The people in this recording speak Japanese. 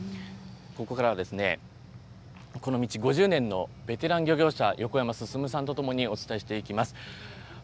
ここからは、この道５０年のベテラン漁業者、横山進さんと共にお伝えしていきます。